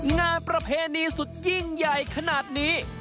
งานประเพณีสุดยิ่งใหญ่ขนาดนี้